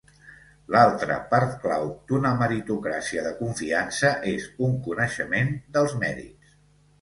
L'altra part clau d'una meritocràcia de confiança és un coneixement dels mèrits.